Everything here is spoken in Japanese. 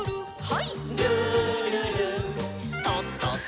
はい。